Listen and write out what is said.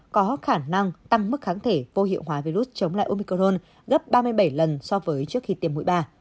có khả năng tăng mức kháng thể vô hiệu hóa virus chống lại omicron gấp ba mươi bảy lần so với trước khi tiêm mũi ba